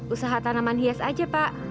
usaha tanaman hias aja pak